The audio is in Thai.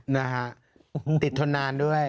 นะฮะติดทนนานด้วย